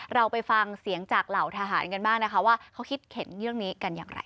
เราไปฟังเสียงจากเหล่าทหารกันบ้างนะคะว่าเขาคิดเห็นเรื่องนี้กันอย่างไร